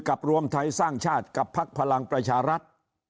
กับลวงไทยสร้างชาติกับภักดิ์พลังประชารัฐ